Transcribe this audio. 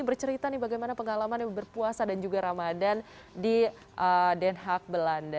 bercerita nih bagaimana pengalamannya berpuasa dan juga ramadan di den haag belanda